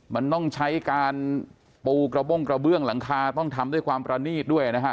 มันต้องใช้การปูกระบ้งกระเบื้องหลังคาต้องทำด้วยความประนีตด้วยนะฮะ